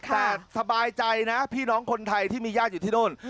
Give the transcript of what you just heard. แต่สบายใจนะพี่น้องคนไทยที่มีญาติอยู่ที่นู่น